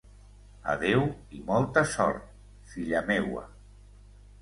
Adéu i molta sort, filla meua.